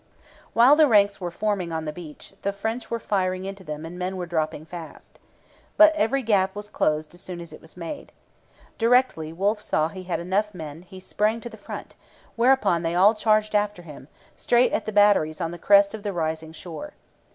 While the ranks were forming on the beach, the French were firing into them and men were dropping fast. But every gap was closed as soon as it was made. Directly Wolfe saw he had enough men he sprang to the front; whereupon they all charged after him, straight at the batteries on the crest of the rising shore.